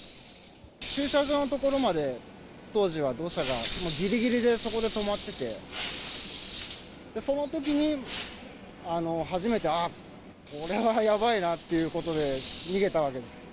駐車場の所まで、当時は土砂が、ぎりぎりでそこで止まってて、そのときに、初めてあっ、これはやばいなっていうことで、逃げたわけです。